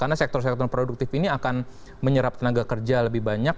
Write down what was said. karena sektor sektor produktif ini akan menyerap tenaga kerja lebih banyak